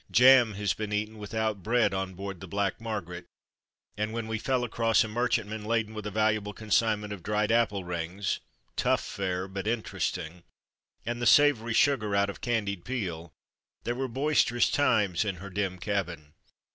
Jam has been eaten without bread on board the Black Margaret, and when we fell across a merchantman laden with a valuable consignment of dried apple ringstough fare but interesting and the savoury sugar out of candied peel, there were boisterous times in her dim cabin.